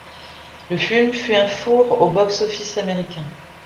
Le film fut un four au box-office américain.